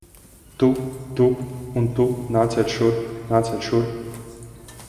Tu, tu un tu, nāciet šurp, nāciet šurp!